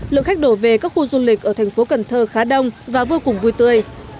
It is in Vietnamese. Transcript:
lượng khách đổ về các khu du lịch ở thành phố cần thơ khá đông và vô cùng vui tươi